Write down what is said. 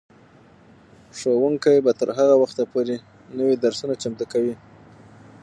ښوونکي به تر هغه وخته پورې نوي درسونه چمتو کوي.